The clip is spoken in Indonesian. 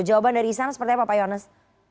jawaban dari sana seperti apa pak yones